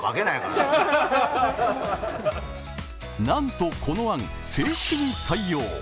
なんと、この案、正式に採用。